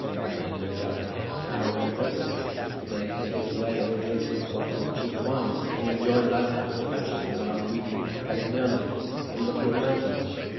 A man, no doubt, may live at Pau on driblets; may pay his way and drink his bottle of cheap wine, and enjoy life after a fashion while reading Galignani and looking at the mountains.